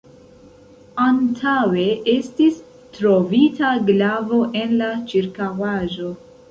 Antaŭe estis trovita glavo en la ĉirkaŭaĵo.